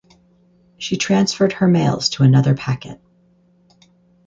She transferred her mails to another packet.